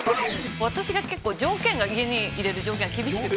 私が結構家に入れる条件が厳しくて。